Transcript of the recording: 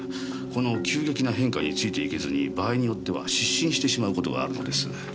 この急激な変化についていけずに場合によっては失神してしまうことがあるのです。